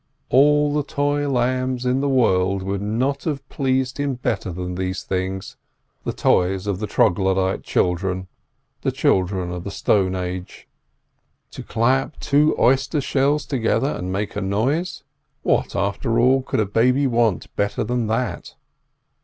All the toy lambs in the world would not have pleased him better than those things, the toys of the Troglodyte children—the children of the Stone Age. To clap two oyster shells together and make a noise—what, after all, could a baby want better than that?